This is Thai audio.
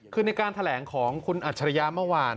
คือในการแถลงของคุณอัจฉริยะเมื่อวาน